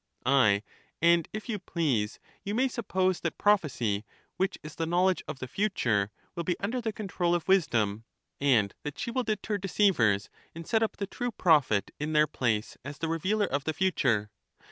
Aye, and if you please, you may suppose that prophecy, which is the knowledge of the future, will be under the control of wisdom, and that she will deter deceivers and set up the true prophet in their place as the revealer of the future.